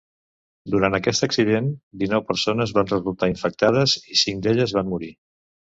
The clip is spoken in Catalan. Durant aquest accident, dinou persones van resultar infectades i cinc d'elles van morir.